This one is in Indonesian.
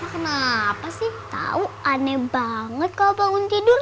kenapa sih tahu aneh banget kalau bangun tidur